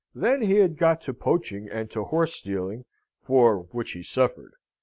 Then he had got to poaching and to horse stealing, for which he suffered.